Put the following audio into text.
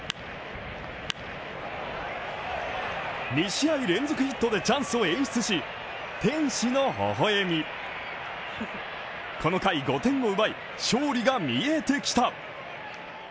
２試合連続ヒットでチャンスを演出し、天使の微笑みこの回５点を奪い、勝利が見えてきた。